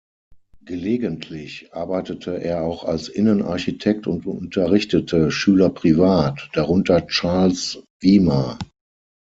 Gelegentlich arbeitete er auch als Innenarchitekt und unterrichtete Schüler privat, darunter Charles Wimar.